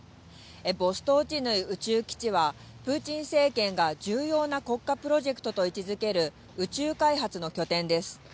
ボストーチヌイ宇宙基地はプーチン政権が重要な国家プロジェクトと位置づける宇宙開発の拠点です。